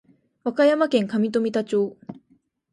和歌山県上富田町